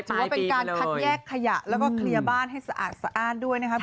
ถือว่าเป็นการคัดแยกขยะแล้วก็เคลียร์บ้านให้สะอาดสะอ้านด้วยนะครับ